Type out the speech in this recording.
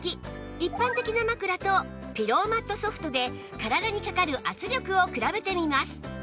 一般的な枕とピローマット Ｓｏｆｔ で体にかかる圧力を比べてみます